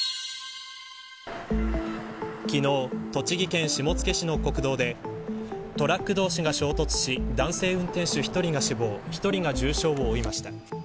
昨日栃木県、下野市の国道でトラック同士が衝突し男性運転手１人が死亡１人が重傷を負いました。